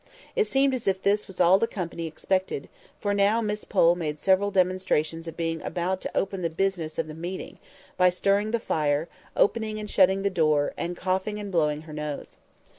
It seemed as if this was all the company expected; for now Miss Pole made several demonstrations of being about to open the business of the meeting, by stirring the fire, opening and shutting the door, and coughing and blowing her nose.